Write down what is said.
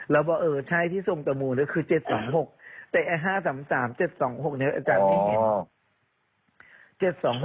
แล้วว่าใช่ที่ทรงตมือนี่คือ๗๒๖แต่ไอ๕๓๓๗๒๖เนี่ยอาจารย์ไม่เห็น